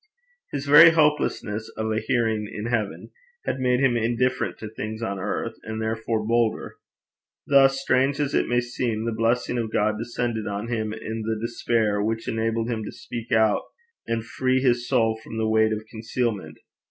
His very hopelessness of a hearing in heaven had made him indifferent to things on earth, and therefore bolder. Thus, strange as it may seem, the blessing of God descended on him in the despair which enabled him to speak out and free his soul from the weight of concealment.